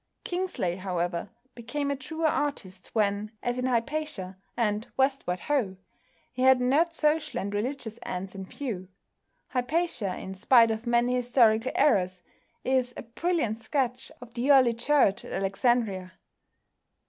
Kingsley, however, became a truer artist when, as in "Hypatia" and "Westward Ho!" he had not social and religious ends in view. "Hypatia," in spite of many historical errors, is a brilliant sketch of the early Church at Alexandria.